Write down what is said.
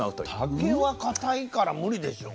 竹はかたいから無理でしょう。